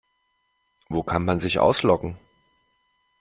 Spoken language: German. Wo kann man sich ausloggen?